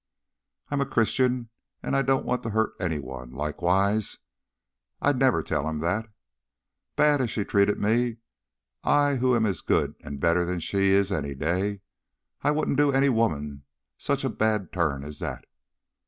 I'm a Christian and I don't want to hurt any one, likewise, I'd never tell him that. Bad as she's treated me I who am as good and better'n she is any day I wouldn't do any woman sech a bad turn as that.